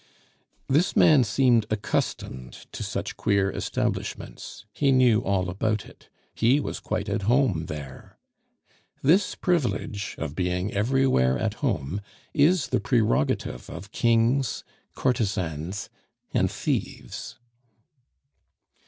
This man seemed accustomed to such queer establishments; he knew all about it. He was quite at home there. This privilege of being everywhere at home is the prerogative of kings, courtesans, and thieves.